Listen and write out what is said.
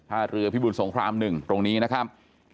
เรือพิบุญสงคราม๑ตรงนี้นะครับ